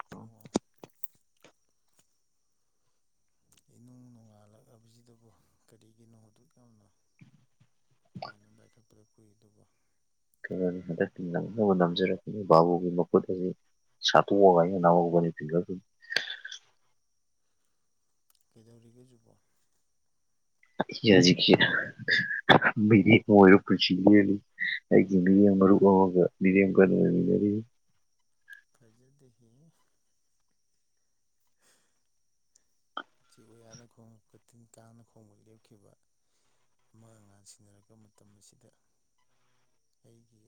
[unintelligible] ꯏꯅꯨꯡ ꯅꯣꯡꯉꯥꯜꯂꯛꯂꯕꯁꯤꯗꯕꯨ ꯀꯔꯤꯒꯤꯅꯣ ꯑꯗꯨꯛ ꯌꯥꯝꯅ ꯐꯣꯟ ꯑꯃ ꯄꯥꯏꯈꯠꯄꯗ ꯀꯨꯏꯔꯤꯗꯨꯕꯨ? ꯀꯩꯅꯣꯗ ꯅꯪꯅꯕ ꯅꯝꯖꯔꯛꯄꯅꯤ ꯕꯥꯕꯨꯒꯤ ꯃꯈꯨꯠꯇꯗꯤ [unintelligible] ꯁꯠꯇꯣꯑꯒ ꯑꯩꯅ ꯂꯧꯍꯧꯕꯅꯤ ꯐꯤꯡꯒꯔ ꯄ꯭ꯔꯤꯟꯇ꯫ ꯀꯩꯗꯧꯔꯤꯒꯦ ꯍꯧꯖꯤꯛꯄꯨ? ꯑꯩꯁꯦ ꯍꯖꯤꯁꯦ ꯃꯤꯔꯦꯝ ꯑꯣꯏꯔ ꯄꯨꯟꯁꯤ ꯂꯦꯜꯂꯤ ꯑꯩꯒꯤ ꯃꯤꯔꯦꯝ ꯃꯔꯨꯞ ꯑꯃꯒ ꯃꯤꯔꯡꯒꯟꯅ ꯂꯩꯃꯤꯟꯅꯔꯤ꯫ ꯐꯖꯗꯦ ꯍꯦ꯫ [inaudible] ꯎꯆꯦꯛ-ꯋꯌꯥꯅ ꯈꯣꯡꯉꯛꯄ ꯇꯤꯟ-ꯀꯥꯡꯥꯅ ꯈꯣꯡꯕ ꯂꯦꯞꯈꯤꯕ ꯑꯃꯥꯡ-ꯑꯉꯥꯡ ꯁꯤꯟꯅꯔꯛꯄ ꯃꯇꯝ ꯑꯁꯤꯗ ꯑꯩꯒꯤ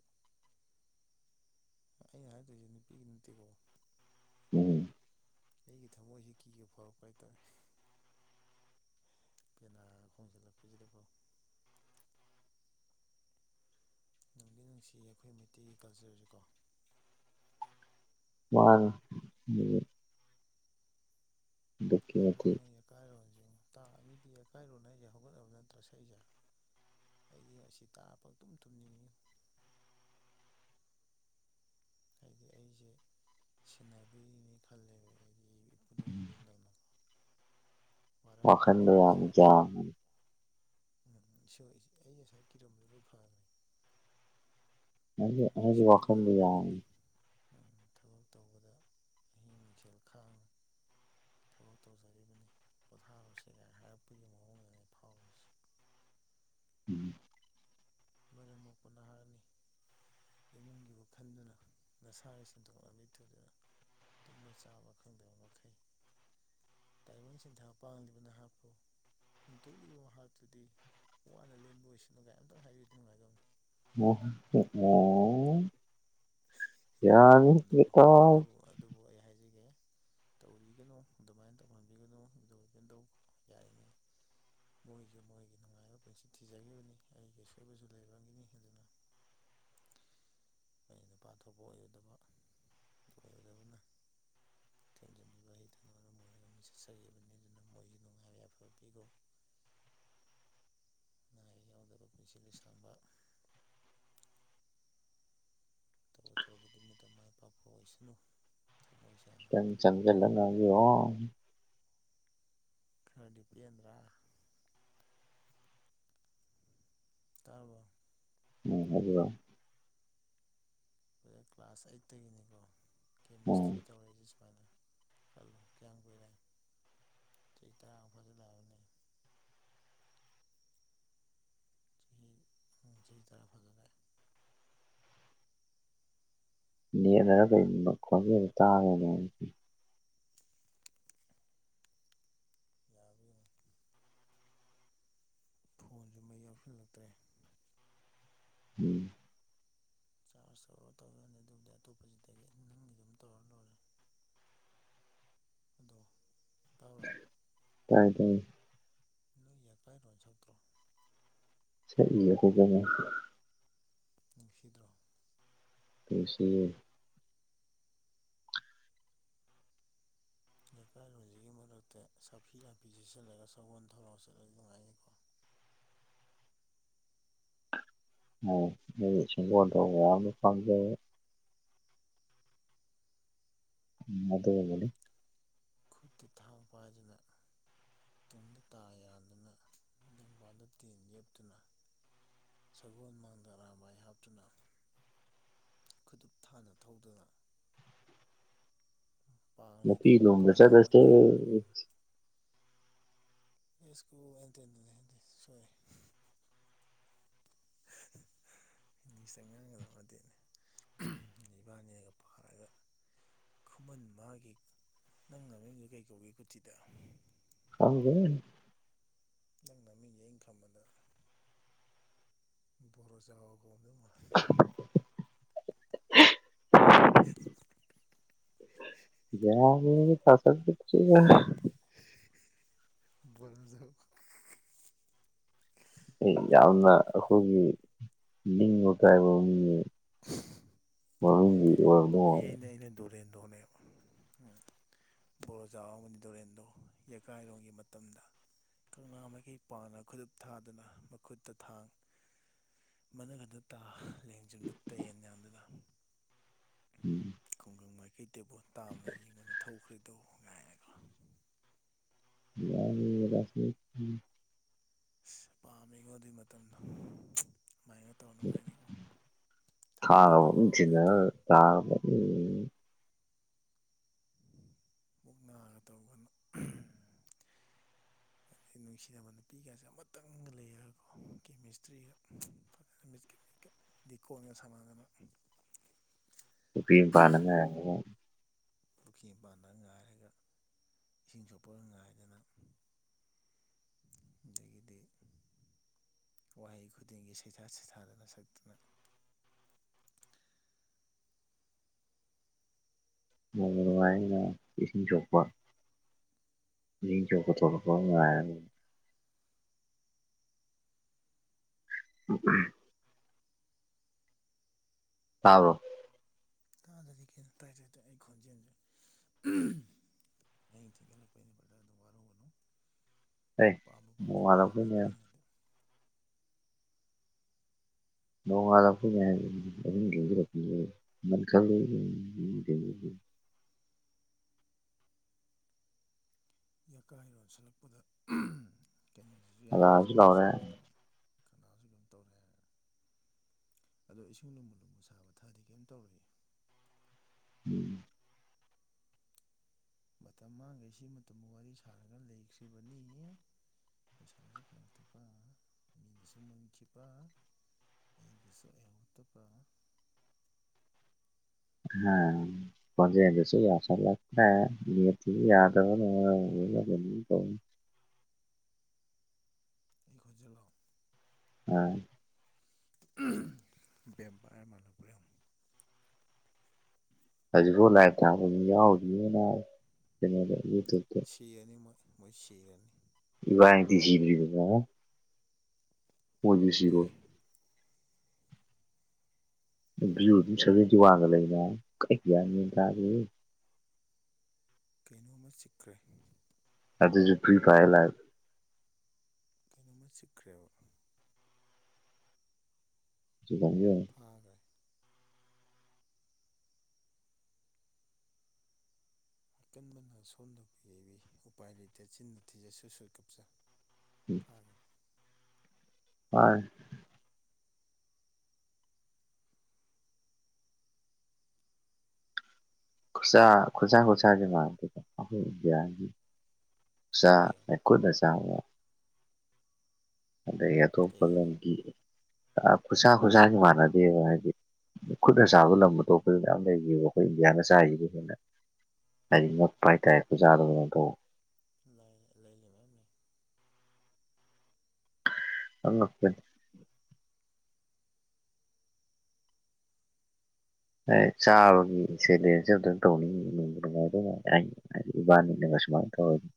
ꯑꯩꯅ ꯍꯥꯏꯗꯨꯏꯁꯦ ꯅꯨꯄꯤꯒꯤ ꯅꯠꯇꯦꯀꯣ ꯎꯝ꯫ ꯑꯩꯒꯤ ꯊꯝꯃꯣꯏꯁꯦ ꯀꯤꯕ ꯐꯥꯎꯔꯛꯄ ꯍꯥꯏꯇꯥꯔꯦ꯫ ꯄꯦꯅꯥꯒ ꯈꯣꯡꯖꯤꯜꯂꯛꯄꯁꯤꯗꯀꯣ ꯅꯨꯡꯗꯤ ꯅꯨꯡꯁꯤꯌꯦ ꯑꯈꯣꯏ ꯃꯩꯇꯩꯒꯤ ꯀꯜꯆꯔꯖ‌ꯦꯀꯣ ꯃꯃꯥꯡ [unintelligible] ꯑꯗꯨꯛꯀꯤ ꯐꯖꯕ ꯃꯇꯤꯛ ꯋꯥꯅ‌ꯦ ꯌꯀꯥꯏꯔꯣꯟꯖꯤꯡ ꯇꯥꯡ ꯑꯅꯤꯗꯤ ꯌꯀꯥꯏꯔꯣꯟ ꯍꯥꯏꯖ‌ꯦ ꯍꯧꯒꯠꯅꯕ ꯅꯠꯇ꯭ꯔꯥ ꯁꯛ ꯏꯖ‌ꯦ ꯑꯩꯗꯤ ꯑꯁꯤ ꯇꯥ ꯄꯪ ꯇꯨꯝ ꯊꯨꯝꯅꯤꯡꯉ‌ꯦ ꯍꯥꯏꯗꯤ ꯑꯩꯖ‌ꯦ ꯁꯦꯟꯅꯕꯤꯔꯤꯅꯤ ꯈꯜꯂꯦꯕ ꯑꯩꯗꯤ ꯏꯄꯨꯗꯧ ꯏꯕ‌ꯦꯟꯗꯧꯅ ꯋꯥꯈꯟ ꯗꯥ ꯋꯥꯡꯉꯤ ꯖꯥꯟ ꯎꯝ ꯏꯁ‌ꯣ ꯑꯩ ꯉꯁꯥꯏ ꯀꯤꯔꯝꯕ ꯂꯣꯏ ꯐꯒꯔ‌ꯦ ꯍꯥꯏꯗꯤ ꯎꯝ ꯍꯥꯏꯗꯤ ꯏꯁ‌ꯣꯗꯤ ꯋꯥꯈꯟꯗꯣ ꯋꯥꯔꯝꯂꯒꯅꯤ ꯌꯥꯝꯃꯤ ꯎꯝ ꯊꯕꯛ ꯇꯧꯕꯗ ꯑꯍꯤꯡ ꯅꯨꯈ‌ꯦꯜ ꯈꯥꯡ ꯊꯕꯛ ꯇꯧꯖꯔꯤꯕꯅꯤ ꯄꯣꯊꯥꯔ‌ꯣꯁꯦ ꯒꯥꯏ ꯍꯥꯏꯔꯛꯄꯒꯤ ꯃꯑꯣꯡꯗꯅꯦ ꯑꯩ ꯐꯥꯎꯔꯤꯁ ꯎꯝ ꯃꯔꯝ ꯃ‌ꯣꯛꯄ ꯅꯍꯥꯅꯤ ꯏꯃꯨꯡꯒꯤꯕꯨ ꯈꯟꯗꯨꯅ ꯅꯁꯥꯒꯤ ꯁꯦꯟꯗꯣꯛ ꯂꯝꯕꯤ ꯊꯨꯗꯨꯅ ꯇꯨꯝꯕ ꯆꯥꯕ ꯈꯪꯗꯕ ꯃꯈꯩ ꯇꯥꯏꯕꯪ ꯁꯤꯟꯊꯥ ꯄꯥꯡꯂꯤꯕ ꯅꯍꯥꯛꯄꯨ ꯍꯨꯟꯇꯣꯛꯂꯤꯕ ꯃꯍꯥꯛꯇꯨꯗꯤ ꯋꯥꯅ ꯂꯦꯟꯕ ꯑꯣꯏꯁꯅꯨ ꯒꯥꯏ ꯑꯝꯇꯪ ꯍꯥꯏꯕꯤꯗꯤ ꯅꯨꯉꯥꯏꯗꯧ [unintelligible] ꯋꯥꯎ ꯑꯗꯨꯕꯨ ꯏꯇꯥꯎ ꯑꯗꯨꯕꯨ ꯑꯗꯨꯕꯨ ꯑꯩ ꯍꯥꯏꯖꯒꯦ ꯇꯧꯕꯤꯒꯅ‌ꯣ ꯑꯗꯨꯃꯥꯏꯟ ꯇꯧꯍꯟꯕꯤꯒꯅ‌ꯣ ꯏꯕꯨꯗꯧ ꯏꯕ‌ꯦꯟꯗꯧ ꯀꯩ ꯍꯥꯏꯅꯤ ꯃꯣꯏꯖꯨ ꯃꯣꯏꯒꯤ ꯅꯨꯉꯥꯏꯕ ꯄꯨꯟꯁꯤ ꯊꯤꯖꯒꯤꯕꯅꯤ ꯑꯩꯒꯤ ꯑꯁꯣꯏꯕꯖꯨ ꯂꯩꯕꯒꯤꯅꯤ ꯑꯗꯨꯅ ꯑꯩ ꯅꯨꯄꯥ ꯊꯣꯛꯄ ꯑꯣꯏꯒꯤꯗꯕ ꯑꯗꯨ ꯑꯣꯏꯔꯨꯗꯕꯅ ꯊꯦꯝꯖꯤꯟꯕꯤꯕ ꯍꯩꯇꯅ ꯃꯔꯝ ꯑꯣꯏꯔꯒ ꯃꯤ ꯆꯠꯆꯒꯤꯕꯅꯤ ꯑꯗꯨꯅ ꯃꯣꯏꯒꯤ ꯅꯨꯉꯥꯏꯕ ꯌꯥꯏꯐꯕ ꯄꯤꯒ‌ꯣ ꯑꯅꯥ ꯑꯌꯦꯛ ꯌꯥꯎꯗꯕ ꯄꯨꯟꯁꯤ ꯂꯤꯁꯥꯡꯕ ꯇꯧꯔꯨ ꯇꯧꯔꯨ ꯈꯨꯗꯤꯡꯃꯛꯇ ꯃꯥꯏ ꯄꯥꯛꯄ ꯑꯣꯏꯁꯅꯨ ꯊꯃꯣꯏꯁ ꯈꯤꯇꯪ ꯆꯪꯖꯜꯂ ꯉꯥꯡꯕꯤ [unintelligible] ꯈꯗꯤ ꯄ‌ꯦꯟꯗ꯭ꯔꯥ ꯇꯥꯔꯕꯣ ꯎꯝ ꯑꯗꯨꯔ‌ꯣ ꯂ‌ꯣꯏꯔ‌ꯦ ꯀ꯭ꯂꯥꯁ ꯑꯥꯏꯠꯇ ꯒꯤꯅꯤꯀꯣ ꯎꯝ ꯀꯦꯃꯤꯁꯇ꯭ꯔꯤ ꯇꯧꯔꯛꯏꯁ [unintelligible] ꯈꯜꯂꯣ ꯀꯌꯥꯝ ꯀꯨꯏꯔꯦ ꯆꯍꯤ ꯇꯔꯥ ꯃꯨꯛ ꯐꯖꯜ ꯂꯛꯑꯕꯅꯦ ꯇꯍꯤ ꯎꯝ ꯆꯍꯤ ꯇꯔꯥ ꯐꯖꯜꯂꯛꯑ‌ꯦ ꯅꯦꯠ ꯅꯔ ꯀꯩꯅ‌ꯣꯕ ꯈꯣꯖ‌ꯦꯟꯖ‌ꯦ ꯇꯥꯕ [unintelligible] ꯌꯔꯕ‌ꯣ ꯐꯣꯟꯖꯨ ꯃꯩ ꯌꯥꯎꯁꯜꯂꯛꯇ꯭ꯔꯦ ꯎꯝ ꯆꯥꯔꯖ ꯇꯧꯔ ꯇꯧꯔꯅꯤ ꯑꯗꯨꯕꯨꯗꯤ ꯑꯇꯣꯞꯄꯖꯤꯗꯒꯤ ꯅꯪꯒꯤ ꯑꯗꯨꯝ ꯇꯧꯔ ꯂꯣꯏꯔꯦ ꯑꯗꯣ ꯇꯕꯔꯥ ꯇꯥꯏ ꯇꯥꯏ ꯅꯣꯏ ꯌꯄꯥꯏꯔꯣꯟ ꯁꯛꯇ꯭ꯔꯣ ꯁꯛ ꯏ ꯌꯦ ꯍꯧꯗ‌ꯣꯡꯅꯥ ꯅꯨꯡꯁꯤꯗ꯭ꯔꯣ ꯅꯨꯡꯁꯤꯌꯦ ꯌꯀꯥꯏꯔꯣꯟꯖꯤꯒꯤ ꯃꯔꯛꯇ ꯁꯥꯐꯤ ꯂꯥꯟꯐꯤ ꯁ‌ꯦꯁꯜꯂꯒ ꯁꯒꯣꯟ ꯊꯧꯔꯥ ꯆꯠꯂꯗꯤ ꯅꯨꯉꯥꯏꯅꯤ ꯑ‌ꯣ ꯅꯣꯏ ꯁꯒꯣꯟ ꯊꯧꯕꯥ ꯌꯥꯝꯅ ꯄꯥꯝꯖꯩ ꯎꯝ ꯑꯗꯨꯒꯅꯤ ꯈꯨꯠꯇ ꯊꯥꯡ ꯄꯥꯏꯗꯨꯅ ꯇꯨꯡꯗ ꯇꯥ ꯌꯥꯟꯗꯨꯅ ꯂꯦꯡꯕꯥꯜꯗ ꯇꯦꯟ ꯋꯦꯞꯇꯨꯅ ꯁꯒꯣꯜ ꯃꯥꯡꯗ ꯑꯔꯥꯕꯥꯥꯏ ꯍꯥꯞꯇꯨꯅ ꯈꯨꯗꯨꯞ ꯊꯥꯅ ꯊꯧꯗꯨꯅ ꯅꯨꯄꯤ ꯄꯥꯡꯂꯦꯗꯣ ꯂꯣꯝꯗ ꯀꯪꯂꯥ ꯆꯠꯂꯁꯦ ꯃꯥꯏꯀꯩ ꯄꯥꯡ ꯏꯁꯀꯣ [unintelligible] ꯑꯦ [unintelligible] ꯁꯣꯢꯔꯦ ꯏꯪꯂꯤꯁꯇ ꯉꯥꯡꯒꯗꯕ ꯅꯠꯇꯦꯅꯦ ꯏꯕꯥꯅꯤꯒ ꯄꯥꯔꯒ ꯈꯨꯃꯟ ꯃꯥꯒꯤ ꯅꯪ ꯅꯃꯤꯡꯗꯣ ꯀꯩ ꯀꯧꯒꯦ ꯀꯨꯊꯤꯗ ꯈꯪꯗꯦꯗ ꯅꯪ ꯅꯃꯤꯡꯁꯦ ꯑꯩꯅ ꯈꯥꯟꯕꯗ ꯄꯣꯔꯣꯖꯥꯎ ꯀꯧꯔꯝꯗꯧ ꯃꯥꯜꯂꯦ [unintelligible] [unintelligible] [unintelligible] [unintelligible] [unintelligible] ꯄꯣꯔꯥꯖꯥꯎ ꯑꯩ ꯌꯥꯝꯅ ꯑꯩꯈꯣꯏꯒꯤ ꯅꯤꯡꯕ ꯀꯥꯏꯕ ꯃꯤ [unintelligible] ꯑꯦ ꯑꯩꯅ ꯑꯩꯅ ꯗꯣꯔꯦꯟꯗ꯭ꯔꯣꯅꯦꯕ ꯕꯣꯔꯣꯖꯥꯎ ꯑꯃꯗꯤ ꯗꯣꯔꯦꯟꯗ꯭ꯔꯣ ꯌꯀꯥꯏꯔꯣꯟꯒꯤ ꯃꯇꯝꯗ ꯀꯪꯂꯥ ꯃꯩꯒꯩ ꯄꯥꯡꯅ ꯈꯨꯗꯨꯞ ꯊꯥꯗꯨꯅ ꯃꯈꯨꯠꯇ ꯊꯥꯡ ꯃꯅꯥꯒꯥꯜꯗ ꯇꯥ ꯂꯦꯡꯖꯨꯝꯗ ꯇꯦꯟ ꯌꯥꯟꯗꯨꯅ ꯎꯝ ꯈꯨꯡꯒꯪ ꯃꯥꯏꯀꯩꯗꯕꯨ ꯇꯥꯝꯅ ꯌꯦꯡꯂꯒ ꯊꯧꯈ꯭ꯔꯦꯗꯣ ꯀꯥꯢꯅꯀꯣ ꯌꯥ ꯔ [unintelligible] [unintelligible] ꯑꯁ ꯄꯥꯝꯃꯤꯉꯣ ꯑꯗꯨꯢ ꯃꯇꯝꯗꯣ ꯑꯗꯨꯨꯃꯥꯏꯅ ꯇꯧꯔ ꯅꯨꯡꯉꯥꯏꯅꯤꯀꯣ ꯊꯕꯛ ꯇꯧꯕꯒꯤ ꯑꯋꯥꯕꯁꯨ ꯂꯩꯇ꯭ꯔꯦ ꯇ [unintelligible] ꯎꯝ ꯃꯨꯛꯅꯒ ꯇꯧꯗꯅ ꯑꯗꯩ ꯅꯨꯡꯁꯤꯅꯕ ꯅꯨꯄꯤꯒꯁꯦ ꯑꯃꯇꯪ ꯂꯩꯔꯒꯀꯣ ꯀꯦꯃꯤꯁꯇ꯭ꯔꯤꯒ ꯐꯖꯅ ꯃꯤꯠꯀ ꯂꯤꯛꯒꯣꯟꯒ ꯁꯥꯟꯅꯗꯅ ꯄꯨꯛꯈ꯭ꯔꯤ ꯃꯄꯥꯜꯗꯒ ꯉꯥꯢꯗꯅ ꯄꯨꯛꯈ꯭ꯔꯤꯄꯥꯟꯗꯒ ꯉꯥꯏꯔꯒ ꯏꯁꯤꯡ ꯁꯣꯛꯄꯒ ꯉꯥꯏꯗꯅ ꯑꯗꯥꯒꯤꯗꯤ ꯋꯥꯍꯩ ꯈꯨꯗꯤꯡꯒꯤ ꯁꯩꯊꯥ ꯁꯩꯊꯥꯗꯅ ꯁꯛꯇꯅ ꯅꯨꯡꯕꯨ ꯅꯨꯡꯉꯥꯢꯅꯤꯅꯦ ꯢꯁꯤꯡ ꯁꯣꯛꯄ ꯢꯁꯤꯡ ꯁꯣꯛꯄ ꯊꯣꯛꯂꯛꯄ ꯉꯥꯢꯔꯒ ꯑꯣ [unintelligible] ꯇꯥꯕ꯭ꯔꯣ ꯇꯥꯗ꯭ꯔꯗꯤ ꯀꯩꯅꯣ ꯇꯥꯏ ꯇꯥꯏ ꯇꯥꯢ ꯑꯩ ꯈꯣꯟꯖꯤꯟ ꯑꯍꯤꯡ ꯊꯦꯡꯖꯤꯟ ꯂꯛꯄꯩꯅꯦ ꯕꯥꯔ ꯑꯗꯨ ꯑꯗꯨꯝ ꯋꯥꯔꯨꯒꯅꯨ ꯑꯦ ꯄꯥꯝꯕꯨ ꯄꯥꯝꯖꯤꯟꯂꯛꯑꯦ ꯅꯣꯡꯉꯥꯜꯂꯛꯄꯩ ꯍꯥꯏꯕꯅꯤꯗ ꯑꯩꯅ ꯍꯥꯏꯗꯤ ꯅꯣꯡꯉꯥꯜꯂꯛꯄꯩ [unintelligible] [unintelligible] [unintelligible] [unintelligible] [unintelligible] ꯌꯥꯀꯥꯏꯔꯣꯁꯜꯂꯛꯄꯗ ꯀꯩꯅꯣꯗꯨꯁꯨ ꯍꯜꯂꯛꯑꯁꯨ ꯌꯥꯈꯤꯗ꯭ꯔꯦ ꯂꯥꯎꯔꯦ ꯆꯞꯈ꯭ꯔꯦ ꯈꯥꯅꯎꯁꯨ ꯀꯩꯅꯣꯝ ꯇꯧꯔꯦ ꯑꯗꯣ ꯏꯁꯤꯡ ꯂꯨꯝꯕꯨ ꯂꯨꯝꯕꯨ ꯁꯥꯕ ꯊꯥꯛꯑꯗꯤ ꯀꯩꯝ ꯇꯧꯔꯣꯢꯑꯦ ꯎꯝ ꯃꯇꯝ ꯃꯥꯡꯉꯩ ꯁꯤ ꯃꯇꯝꯕꯨ ꯋꯥꯔꯤ ꯁꯥꯔꯒ ꯂꯩꯈ꯭ꯔꯤꯕꯅꯤ ꯄꯩꯁꯥꯁꯨ ꯐꯪꯛꯇꯕ ꯃꯤꯅꯁꯨ ꯃꯨꯟꯈꯤꯕ ꯑꯩꯒꯤꯁꯨ ꯑꯣꯢꯍꯧꯇꯕ ꯑꯥ ꯈꯣꯟꯖꯦꯟꯗꯨꯁꯨ ꯌꯥꯁꯤꯟꯂꯛꯇ꯭ꯔꯦ ꯅꯦꯠꯁꯤꯁꯨ ꯌꯥꯗꯕ [unintelligible] [unintelligible] [unintelligible] [unintelligible] ꯑꯩ ꯈꯣꯟꯖꯦꯟꯂꯣ ꯑꯥ ꯕꯦꯝꯄꯤꯔ ꯃꯥꯂꯛꯄ ꯍꯧꯖꯤꯛꯐꯥꯎ ꯂꯥꯏꯛ ꯊꯕꯥ ꯃꯤꯡꯌꯥꯎꯔꯤꯌꯦ ꯀꯩꯅꯣꯗ ꯌꯨꯇꯨꯞꯇ ꯁꯤꯔꯥꯅꯤ ꯃꯣꯏ ꯁꯤꯔꯅꯤ ꯢꯕꯥꯅꯤꯗꯤ ꯁꯤꯗ꯭ꯔꯤꯗꯅ ꯃꯣꯢꯁꯨ ꯁꯤꯔꯣꯢ ꯑꯦ ꯕꯤꯌꯨꯗꯤ ꯁꯥꯕꯦꯟꯇꯤ ꯋꯥꯟ ꯂꯩꯌꯦ ꯒ꯭ꯌꯥꯟ ꯃꯦꯟ ꯇꯥꯗꯦꯍꯦ ꯀꯩꯅꯣꯝꯃ ꯆꯤꯛꯈ꯭ꯔꯦ ꯑꯗꯨꯁꯨ [unintelligible] [unintelligible] [unintelligible] ꯀꯩꯅꯣꯝꯃ ꯆꯤꯛꯈ꯭ꯔꯦꯕ ꯁꯤꯣ [unintelligible] ꯐꯥꯒ꯭ꯔꯦ ꯑꯀꯟꯕꯅ ꯑꯁꯣꯟꯕꯕꯨ ꯌꯩꯕꯤ ꯎꯄꯥꯏ ꯂꯩꯇ ꯆꯤꯟꯅ ꯊꯤꯖ ꯁꯨꯠ ꯁꯨꯠ ꯀꯥꯞꯆ ꯐꯔꯦ ꯃꯥꯅꯦ ꯈꯨꯠꯁꯥ ꯈꯨꯠꯁꯥ ꯈ ꯀꯔꯤ [unintelligible] [unintelligible] [unintelligible] ꯈꯨꯠꯅꯥ ꯆꯥꯕꯥ ꯑꯗꯒꯤ ꯀꯔꯤ ꯑꯇꯣꯞꯄ ꯍꯥꯏꯅꯣ ꯂꯝꯒꯤ ꯈꯨꯠꯁꯥ ꯈꯨꯠꯁꯥ ꯃꯥꯟꯅꯗꯦꯕ ꯍꯥꯏꯗꯤ ꯈꯨꯠꯅ ꯆꯥꯕ ꯂꯝ ꯑꯇꯣꯞꯄꯗ ꯃꯌꯥꯝ ꯂꯩꯔꯤꯕ ꯑꯩꯈꯣꯏ ꯏꯟꯗꯤꯌꯥ ꯆꯥꯔꯤꯁꯤꯗꯩ ꯍꯦꯟꯅ ꯍꯥꯏꯗꯤ ꯃꯣꯠꯄ ꯍꯥꯏꯇꯥꯔꯦ ꯈꯨꯠꯆꯥꯗꯣ ꯀꯩꯅꯣꯝ ꯇꯧꯕ ꯂꯩ ꯂꯩ ꯂꯩ ꯃꯌꯥꯝ ꯂꯩ ꯑꯉꯥꯛꯄꯅꯤ ꯆꯥꯕꯒꯤ [unintelligible] [inaudible] ꯇꯧꯅꯤꯡꯉꯤ ꯅꯨꯡꯕꯨ ꯅꯨꯡꯉꯥꯏꯗꯧ ꯍꯥꯏꯗꯤ ꯏꯕꯥꯅꯤꯅꯒ ꯁꯨꯃꯥꯏꯅ ꯇꯧꯔꯗꯤ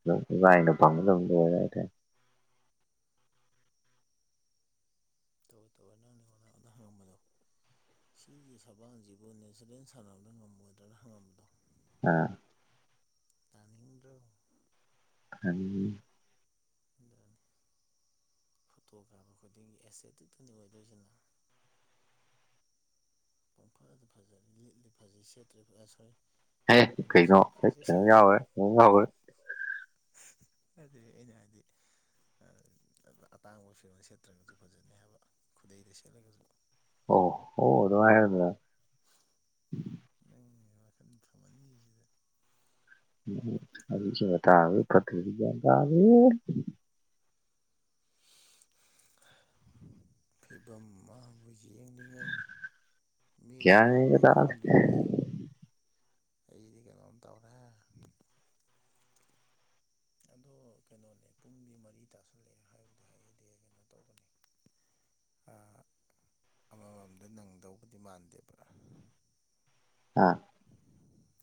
ꯑꯗꯨꯝ ꯏꯕꯅꯤꯅ [unintelligible] ꯍꯥꯏꯇꯥꯔꯦ ꯇꯧꯑꯣ ꯇꯧꯑꯣ ꯅꯪ ꯑꯩꯉꯣꯟꯗ ꯍꯪꯉꯝꯕꯗꯣ ꯁꯤꯒꯤ ꯁꯕꯥꯡꯁꯤꯕꯨ ꯅꯦꯆꯔꯦꯜ ꯁꯥꯟꯅꯕꯗ ꯉꯝꯃꯣꯏꯗ꯭ꯔꯅ ꯍꯪꯉꯝꯕꯗꯣ ꯑꯥ ꯇꯥꯅꯤꯡꯗ꯭ꯔꯣ [unintelligible] ꯑꯗꯨꯅꯤ ꯐꯣꯇꯣ ꯀꯥꯕ ꯈꯨꯗꯤꯡꯒꯤ [unintelligible] ꯑꯣꯏꯗꯣꯏꯁꯤ ꯅꯪ ꯄꯪ ꯐꯥꯗ ꯐꯖꯔꯦ ꯂꯤꯠꯂꯤ ꯐꯖꯩ ꯁꯦꯠꯇ꯭ꯔꯦ ꯐꯖꯩ ꯑꯦ ꯁꯣꯔꯤ ꯑꯦ ꯀꯩꯅꯣ ꯑꯃ ꯀꯩꯅꯣ ꯁꯦꯠꯂꯤ ꯐꯖꯩ ꯌꯥꯎꯈ꯭ꯔꯦ ꯌꯥꯎꯈ꯭ꯔꯦ ꯀꯩꯅꯣ ꯌꯥꯎꯈ꯭ꯔꯦ ꯑꯗꯨꯗ ꯑꯩꯅ ꯍꯥꯢꯗꯤ ꯑꯇꯥꯡꯕ ꯐꯤꯔꯣꯟ ꯁꯦꯠꯇ꯭ꯔꯒꯁꯨ ꯐꯖꯅꯤ ꯍꯥꯏꯕ ꯈꯨꯗꯩꯗ ꯁꯦꯠꯂꯒꯁꯨ ꯑꯣ ꯑꯣ ꯑꯗꯨꯃꯥꯢꯅ ꯍꯥꯢꯌꯨꯗꯅ ꯅꯪꯅ ꯋꯈꯥꯜ ꯐꯃꯥꯜꯈꯤꯕꯁꯤꯅ [unintelligible] [unintelligible] [unintelligible] [unintelligible] ꯐꯤꯚꯝ ꯃꯪꯕ ꯍꯥꯢꯁꯤ ꯌꯦꯡꯂꯤꯉꯩ ꯃꯤꯠ ꯒ꯭ꯌꯥꯟ ꯃꯦꯟꯒ ꯃꯥꯒꯦ ꯇꯥꯗꯦ ꯈꯟꯗ꯭ꯔꯤꯉꯩ ꯑꯩꯗꯤꯀꯩꯅꯣꯝ ꯇꯧꯔꯦ ꯑꯗꯣ ꯀꯩꯅꯣꯅꯦ ꯄꯨꯡꯗꯤ ꯃꯔꯤ ꯇꯥꯁꯜꯂꯛꯑꯦ ꯍꯥꯏꯕꯨꯗꯤ ꯍꯥꯏꯌꯦꯢꯗꯦ ꯀꯩꯅꯣ ꯇꯧꯕꯅꯦ ꯑꯥ ꯑꯃꯃꯝꯗ ꯅꯪꯗꯧꯕꯗꯤ ꯃꯥꯟꯗꯦꯕ꯭ꯔꯥ ꯑꯥ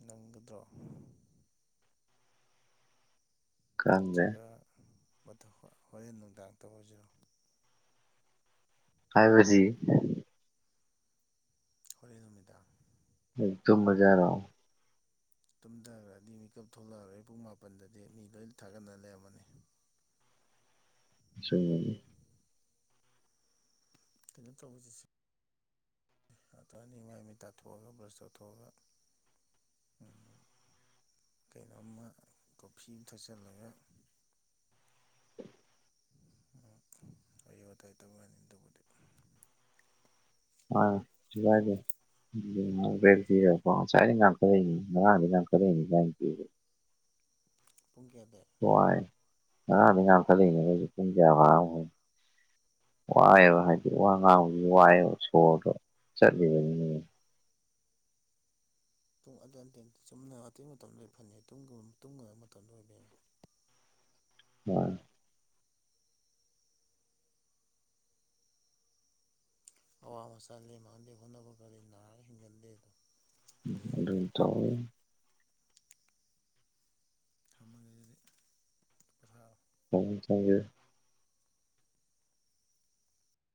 ꯅꯪꯒꯗ꯭ꯔꯣ ꯈꯪꯗ꯭ꯔꯦ ꯅꯠꯇ꯭ꯔꯒ ꯃꯊ ꯍꯣꯔꯦꯟ ꯅꯨꯡꯗꯥꯡ ꯇꯧꯔꯖꯤꯔꯣ ꯍꯥꯏꯕꯖꯤ ꯍꯣꯔꯦꯟ ꯅꯨꯃꯤꯗꯥꯡ ꯍꯖ ꯇꯨꯝꯃꯖꯦ ꯍꯥꯢꯔꯣ ꯇꯨꯝꯗꯒ꯭ꯔꯗꯤ ꯃꯤꯀꯞ ꯊꯣꯛꯂꯑꯔꯣꯏ ꯄꯨꯡ ꯃꯥꯄꯟꯗꯗꯤ ꯃꯤ ꯂꯣꯏ ꯊꯥꯒꯠꯅ ꯂꯩꯔꯝꯃꯅꯤ ꯆꯨꯝꯃꯤꯅꯦ ꯀꯩꯅꯣ ꯇꯧꯕꯁꯤꯁꯦ ꯅꯠꯇ꯭ꯔꯅꯤ ꯃꯥꯏꯃꯤꯠ ꯇꯥꯊꯣꯛꯑꯒ ꯕ꯭ꯔꯁ ꯇꯧꯊꯣꯛꯑꯒ ꯎꯝ ꯀꯩꯅꯣꯝꯃ ꯀꯣꯐꯤ ꯑꯃ ꯊꯛꯆꯜꯂꯒ ꯍꯝ ꯎꯝ ꯑꯩꯌꯨ ꯋꯥꯇꯥꯏ ꯇꯧꯌꯥꯅꯤ ꯑꯗꯨꯕꯨꯗꯤ ꯃꯥꯅꯤ ꯆꯤꯌꯗꯥꯢ ꯎꯝ ꯑꯞꯒ꯭ꯔꯦꯠ ꯄꯤꯔꯀꯣ ꯉꯁꯥꯏꯗꯩ ꯉꯈꯠꯔꯏꯅꯤ ꯉꯥꯔꯥꯡꯗꯩ ꯉꯈꯠꯔꯏꯅꯤ ꯏꯕꯥꯢꯅ ꯄꯤꯔꯦ ꯄꯨꯡ ꯀꯌꯥꯗꯩ ꯋꯥꯏ ꯉꯔꯥꯡꯗꯩ ꯉꯥꯈꯠꯂꯛꯏꯅꯤ ꯃꯣꯢꯖꯤ ꯄꯨꯡ ꯀꯌꯥ ꯐꯔꯕꯅꯣ ꯈꯪꯗꯦ ꯋꯥꯏꯑꯦꯕ ꯍꯥꯏꯗꯤ ꯋꯥ ꯉꯥꯡꯕꯒꯤ ꯋꯥꯑꯦꯕ ꯁꯣꯔꯗꯣ ꯆꯠꯂꯤꯕꯅꯤꯅ ꯄꯨꯡ ꯑꯗꯨ ꯑꯇꯦꯟ ꯆꯨꯝꯅ ꯑꯊꯦꯡꯅ ꯇꯧꯔꯤꯉꯩ ꯐꯅꯤ ꯇꯨꯝꯒꯕ ꯇꯨꯝꯒꯕ ꯃꯇꯝꯗ ꯑꯣꯏꯕꯩꯅꯦ ꯃꯥꯅꯦ ꯑꯋꯥ ꯃꯆꯥ ꯂꯦꯝ ꯃꯥꯟꯗꯦ ꯍꯣꯠꯅꯕ ꯀꯜꯂꯤ ꯅꯥꯔ ꯍꯤꯡꯒꯟꯗꯦꯗꯣ ꯑꯗꯨꯝ ꯇꯧ ꯊꯝꯃꯒꯦ ꯑꯗꯨꯗꯤ ꯄꯣꯊꯔꯣ ꯊꯎꯡ ꯊꯣꯡꯒꯦ